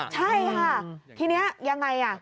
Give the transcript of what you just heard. ใช่ค่ะทีนี้ยังไง